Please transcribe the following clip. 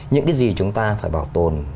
những cái gì chúng ta phải bảo tồn